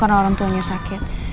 karena orang tuanya sakit